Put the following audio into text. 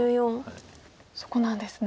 そこなんですね。